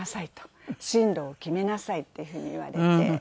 「進路を決めなさい」っていうふうに言われて。